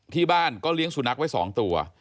ที่บ้านก็เลี้ยงสุนัขไว้๒ตัว